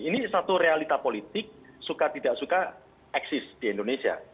ini satu realita politik suka tidak suka eksis di indonesia